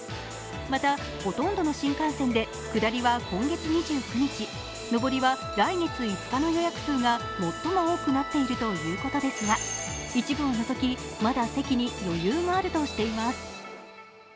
また、ほとんどの新幹線で下りは今月２９日、上りは来月５日の予約数が最も多くなっているということですが一部を除き、まだ席に余裕があるとしています。